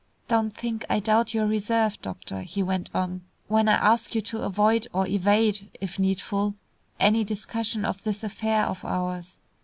"Don't think I doubt your reserve, doctor," he went on, "when I ask you to avoid or evade, if needful, any discussion of this affair of ours.